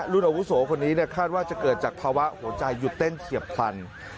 อาวุโสคนนี้คาดว่าจะเกิดจากภาวะหัวใจหยุดเต้นเฉียบพลัน